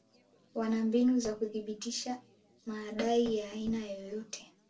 Wana mbinu za kuthibitisha madai ya aina yoyote